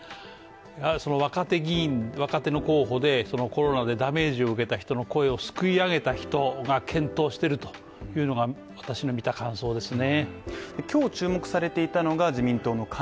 その若手議員若手の候補で、そのコロナでダメージを受けた人の声をすくい上げた人が健闘しているというのが私の見た感想ですね。